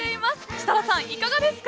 設楽さん、いかがですか？